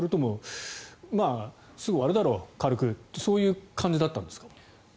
それともすぐ終わるだろうというそういう感じだったんですか？